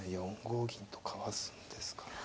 ４五銀とかわすんですかね。